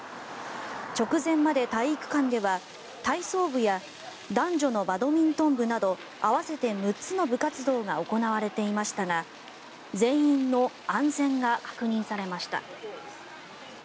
直前まで体育館では、体操部や男女のバドミントン部など合わせて６つの部活動が行われていましたが全員の安全が確認されました。